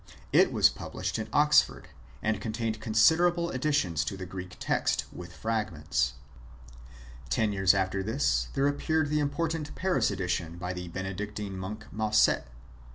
It was published at Oxford, and contained considerable additions to the Greek text, with fragments. Ten years after this XX IN TROD UCTOR Y NOTICE. there appeared the important Paris edition by the Benedic tine monk Massuet.